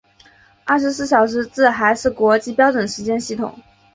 二十四小时制还是国际标准时间系统。